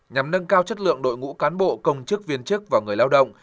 nhằm nâng cao chất lượng đội ngũ cán bộ công chức viên chức và người lao động